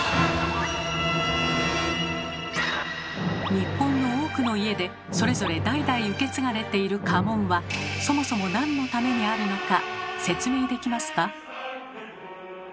日本の多くの家でそれぞれ代々受け継がれている家紋はそもそもなんのためにあるのか説明できますか？